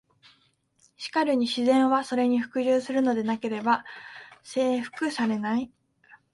しかるに「自然は、それに服従するのでなければ征服されない」。